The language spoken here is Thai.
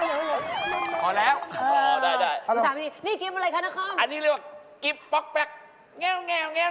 อันนี้ก็เรียกว่ากิ๊บป๊อกแป๊กเงียว